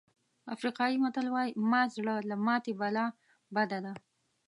افریقایي متل وایي مات زړه له ماتې ملا بده ده.